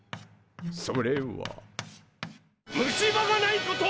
それは虫歯がないこと！